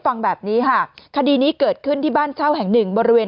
ฟังแบบนี้ค่ะคดีนี้เกิดขึ้นที่บ้านเช่าแห่งหนึ่งบริเวณ